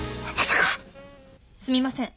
すみません。